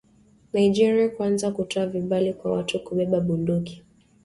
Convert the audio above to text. Nigeria kuanza kutoa vibali kwa watu kubeba bunduki.